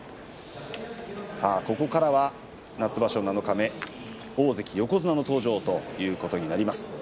ここからは七日目大関横綱の登場ということになります。